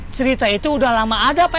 cerita itu udah lama ada pak